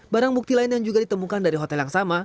barang bukti lain yang juga ditemukan dari hotel yang sama